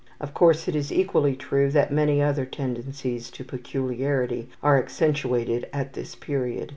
Of course it is equally true that many other tendencies to peculiarity are accentuated at this period.